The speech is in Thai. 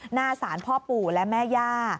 หน้าศาลพ่อปู่และแม่ย่า